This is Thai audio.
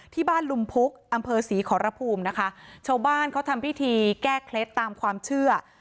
ที่บ้านลุมพุกอำเภอศรีขอรภูมินะคะชาวบ้านเขาทำพิธีแก้เคล็ดตามความเชื่อ